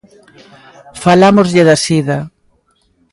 Falámoslles da sida.